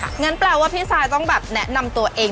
งั้นแปลว่าพี่ซายต้องแบบแนะนำตัวเอง